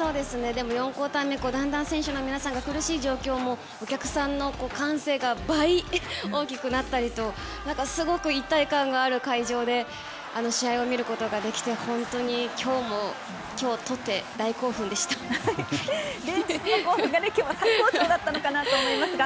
でも、４クオーター目だんだん選手の皆さんが苦しい状況でもお客さんの歓声が倍、大きくなったりとすごく一体感がある会場で試合を見ることができて本当に今日もその興奮が今日は最高潮だったのかなと思いますが。